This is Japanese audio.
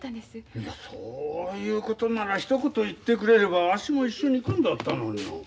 いやそういうことならひと言言ってくれればわしも一緒に行くんだったのに。